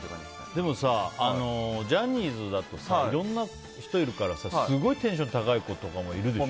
でも、ジャニーズだといろんな人がいるからすごいテンション高い子とかもいるでしょ。